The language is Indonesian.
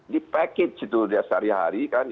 dipackage itu sehari hari kan